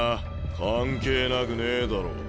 関係なくねえだろ。